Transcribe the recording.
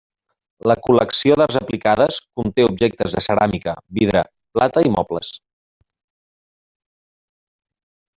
La col·lecció d'arts aplicades conté objectes de ceràmica, vidre, plata i mobles.